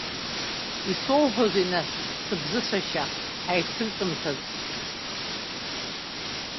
Исоуҳәозеи, нас, сыбзыцәашьа, ҳаицрыҵымҭаз?